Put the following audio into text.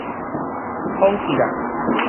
通起來